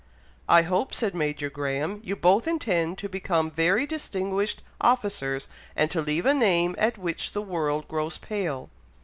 "I hope," said Major Graham, "you both intend to become very distinguished officers, and to leave a name at which the world grows pale."